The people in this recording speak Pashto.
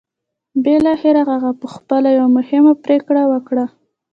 بالاخره هغه پخپله یوه مهمه پرېکړه وکړه